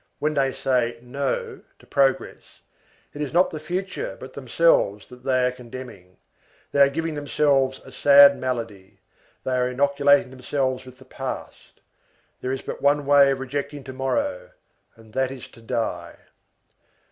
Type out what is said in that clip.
When they say "no" to progress, it is not the future but themselves that they are condemning. They are giving themselves a sad malady; they are inoculating themselves with the past. There is but one way of rejecting To morrow, and that is to die.